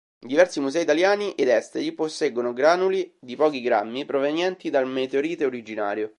Diversi musei italiani ed esteri posseggono granuli, di pochi grammi, provenienti dal meteorite originario.